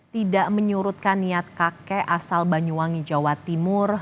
tidak menyurutkan niat kakek asal banyuwangi jawa timur